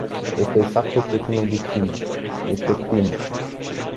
Este exact opusul medicinei - este crimă.